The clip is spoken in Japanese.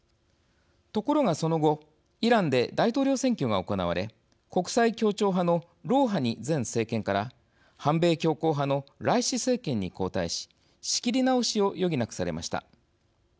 ところが、その後イランで大統領選挙が行われ国際協調派のロウハニ前政権から反米強硬派のライシ政権に交代し仕切り直しを余儀なくされました。